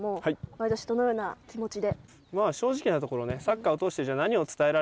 毎年どのような気持ちで。